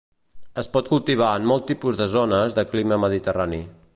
Es pot cultivar en molts tipus de zones de clima mediterrani.